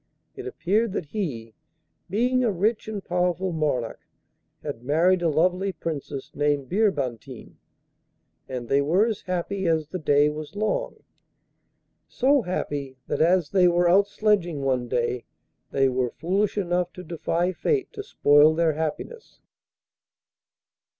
It appeared that he, being a rich and powerful monarch, had married a lovely Princess named Birbantine, and they were as happy as the day was long so happy that as they were out sledging one day they were foolish enough to defy fate to spoil their happiness.